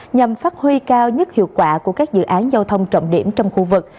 nhằm phát huy cao nhất hiệu quả của các dự án giao thông trọng điểm trong khu vực